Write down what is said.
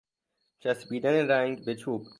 چسبیدن رنگ به چوب